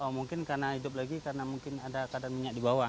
oh mungkin karena hidup lagi karena mungkin ada kadar minyak di bawah